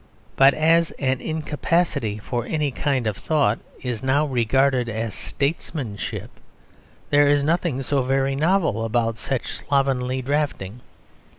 But as an incapacity for any kind of thought is now regarded as statesmanship, there is nothing so very novel about such slovenly drafting.